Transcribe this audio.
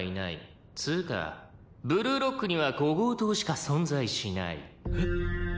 「つうかブルーロックには伍号棟しか存在しない」えっ？